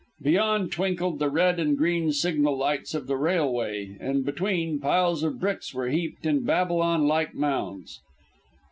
Beyond twinkled the red and green signal lights of the railway, and between, piles of bricks were heaped in Babylon like mounds.